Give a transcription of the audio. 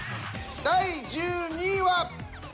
第１２位は。